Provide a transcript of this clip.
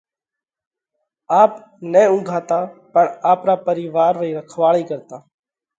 آپ نہ اُونگھاتا پڻ آپرا پرِيوَار رئِي رکواۯئِي ڪرتا۔